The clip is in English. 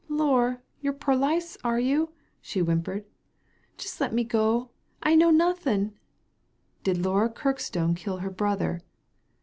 "Lor', you're perlice, are you?" she whimpered. " Jist let me go ; I know nothin'." "Did Laura Kirkstone kill her brother?"